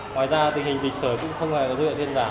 ngoài ra tình hình dịch sởi cũng không hề có dấu hiệu thiên giảm